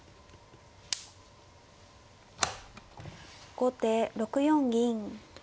後手６四銀。